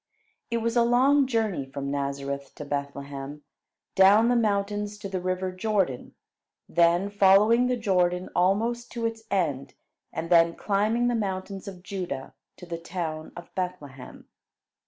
It was a long journey from Nazareth to Bethlehem; down the mountains to the river Jordan, then following the Jordan almost to its end, and then climbing the mountains of Judah to the town of Bethlehem.